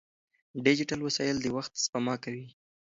ډیجیټل وسایل د وخت سپما کوي.